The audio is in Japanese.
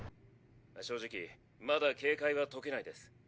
正直まだ警戒は解けないです。